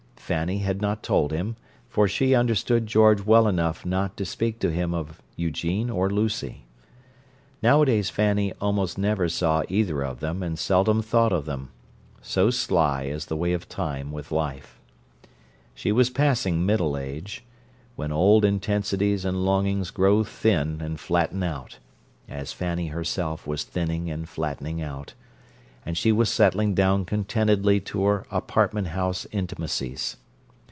Fanny had not told him, for she understood George well enough not to speak to him of Eugene or Lucy. Nowadays Fanny almost never saw either of them and seldom thought of them—so sly is the way of time with life. She was passing middle age, when old intensities and longings grow thin and flatten out, as Fanny herself was thinning and flattening out; and she was settling down contentedly to her apartment house intimacies.